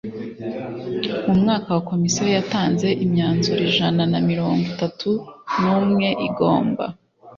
Mu mwaka wa Komisiyo yatanze imyanzuro ijana na mirongo itatu n umwe igomba